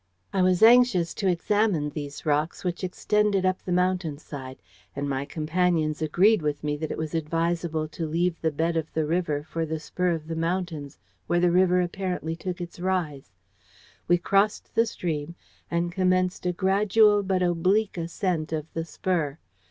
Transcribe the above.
"I was anxious to examine these rocks, which extended up the mountain side, and my companions agreed with me that it was advisable to leave the bed of the river for the spur of the mountains where the river apparently took its rise. We crossed the stream, and commenced a gradual but oblique ascent of the spur.